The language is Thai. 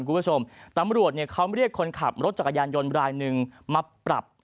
คุณผู้ชมตำรวจเนี่ยเขาเรียกคนขับรถจักรยานยนต์รายหนึ่งมาปรับ